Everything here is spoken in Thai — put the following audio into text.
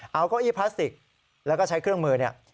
เอาเก้าอี้พลาสติกแล้วก็ใช้เครื่องมือเนี่ย